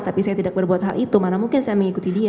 tapi saya tidak berbuat hal itu mana mungkin saya mengikuti dia